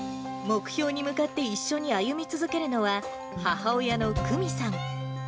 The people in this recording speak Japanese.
目標に向かって一緒に歩み続けるのは、母親の久美さん。